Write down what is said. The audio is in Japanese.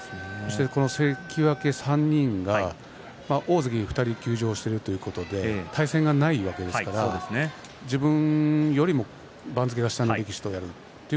関脇３人が大関２人休場しているということで対戦がないわけですから自分よりも番付の下の力士と戦います。